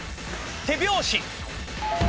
手拍子。